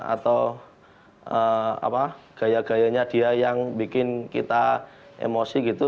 atau gaya gayanya dia yang bikin kita emosi gitu